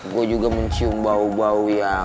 gua juga mencium bau bau yaa